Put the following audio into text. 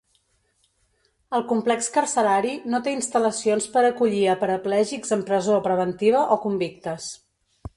El complex carcerari no té instal·lacions per acollir a paraplègics en presó preventiva o convictes.